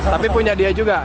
tapi punya dia juga